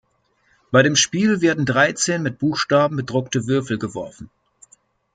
Bei dem Spiel werden dreizehn mit Buchstaben bedruckte Würfel geworfen.